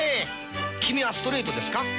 君はストレートですか？